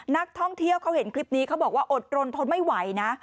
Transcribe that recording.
นักท่องเที่ยวเขาเห็นคลิปนี้เขาบอกว่าอดรนทนไม่ไหวนะ